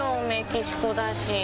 メキシコだし。